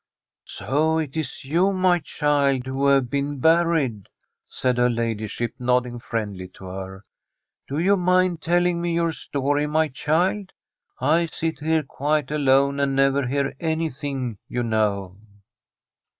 * So it is you, my child, who have been buried,' said her ladyship, nodding friendlily to her. * Do you mind telling me your story, my child ? I sit here quite alone, and never hear anything, you know.'